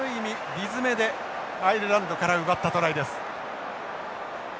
理詰めでアイルランドから奪ったトライです。